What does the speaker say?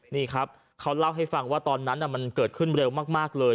นี่ครับเขาเล่าให้ฟังว่าตอนนั้นมันเกิดขึ้นเร็วมากเลย